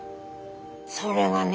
☎それがね